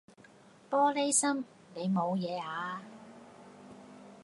玻璃心，你冇嘢啊？